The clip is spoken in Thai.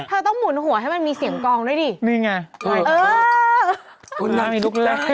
เธอต้องหมุนหัวให้มันมีเสียงกองด้วยดินี่ไง